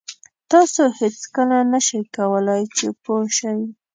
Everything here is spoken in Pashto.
تاسو هېڅکله نه شئ کولای چې پوه شئ.